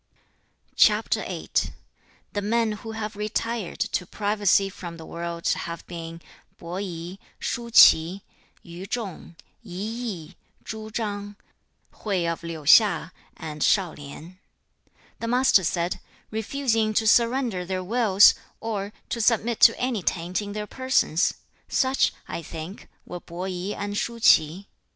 The men who have retired to privacy from the world have been Po i, Shu ch'i, Yu chung, I yi, Chu chang, Hui of Liu hsia, and Shao lien. 2. The Master said, 'Refusing to surrender their wills, or to submit to any taint in their persons; such, I think, were Po i and Shu ch'i.